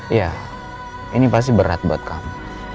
iya ini pasti berat buat kamu